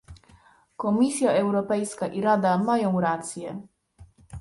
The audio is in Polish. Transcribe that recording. Komisja Europejska i Rada mają rację